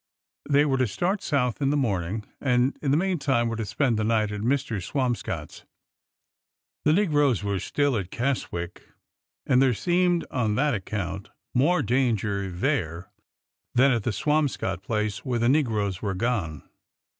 They were to start South in the morning, and in the meantime were to spend the night at Mr. Swamscott's. The negroes were still at Keswick, and there seemed, on that account, more danger there than at the Swamscott place, where the ne groes were gone.